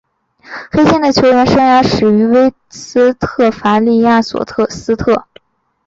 黑金的球员生涯始于威斯特伐利亚索斯特。